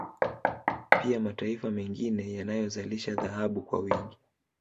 Pia mataifa mengine yanayozalisha dhahabu kwa wingi